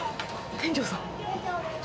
店長さん。